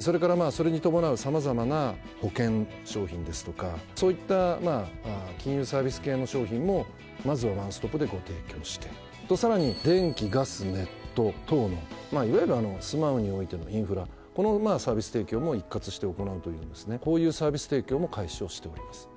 それからそれに伴う様々な保険商品ですとかそういった金融サービス系の商品もまずはワンストップでご提供してさらに電気ガスネット等のいわゆる住まいにおいてのインフラこのサービス提供も一括して行うというようにですねこういうサービス提供も開始をしております。